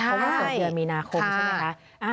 เพราะว่าเกิดเกิดมีนาคมใช่ไหมคะ